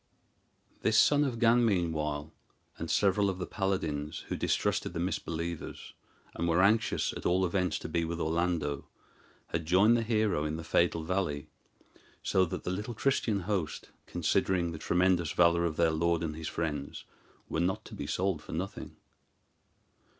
This son of Gan, meanwhile, and several of the paladins, who distrusted the misbelievers, and were anxious at all events to be with Orlando, had joined the hero in the fatal valley; so that the little Christian host, considering the tremendous valor of their lord and his friends, were not to be sold for nothing.